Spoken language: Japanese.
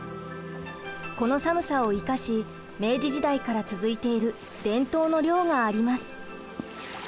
この寒さを生かし明治時代から続いている伝統の漁があります。